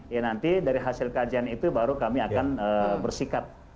ya nanti dari hasil kajian itu baru kami akan bersikap